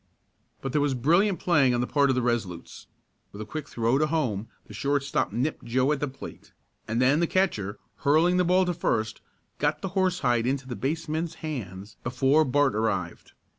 But there was brilliant playing on the part of the Resolutes. With a quick throw to home the shortstop nipped Joe at the plate, and then the catcher, hurling the ball to first, got the horsehide into the baseman's hands before Bart arrived.